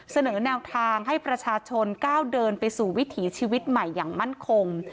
เสนอแนวทางให้ประชาชนก้าวเดินไปสู่วิถีชีวิตใหม่อย่างมั่นคง